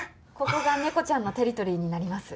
ここが猫ちゃんのテリトリーになります。